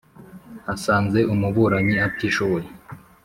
asanze umuburanyi atishoboye